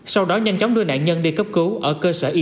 sau đó nhanh chóng đưa nạn nhân đi cấp cứu ở cơ sở y tế gần nhất